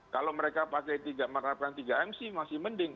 kalau mereka pakai tiga mc masih mending